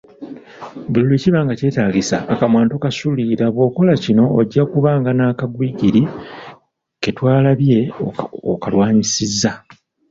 Buli lwe kiba nga kyetaagisa, akamwano tokasuulirira.bw'okola kino ojja kuba nga n'akagwigiri ketwalabye okalwanyisizza.